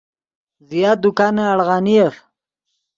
زیات دکانے اڑغانیف